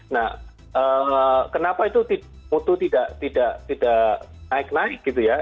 nah kenapa itu mutu tidak naik naik gitu ya